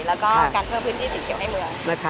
แล้วก็การเพิ่มพื้นที่สิ่งเก็บให้เมือง